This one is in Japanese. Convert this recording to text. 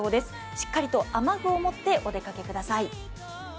しっかりと雨具を持ってお出かけください。